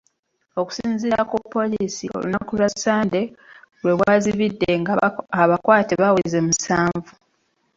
Okusinziira ku poliisi, olunaku lwa Ssande we lwazibidde nga abakwate baweze musanvu.